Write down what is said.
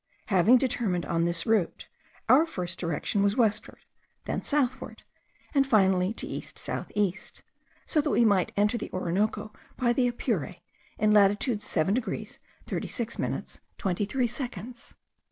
Having determined on this route, our first direction was westward, then southward, and finally to east south east, so that we might enter the Orinoco by the Apure in latitude 7 degrees 36 minutes 23 seconds.